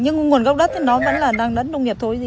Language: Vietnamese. nhưng nguồn gốc đất thì nó vẫn là đất nông nghiệp thôi chứ gì